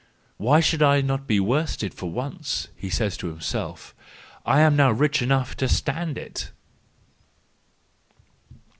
"Why should I not be worsted for once ?" he says to himself, " I am now rich enough to stand it."